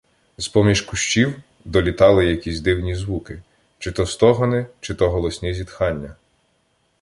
З-поміж кущів долітали якісь дивні звуки: чи то стогони, чи то голосні зітхання.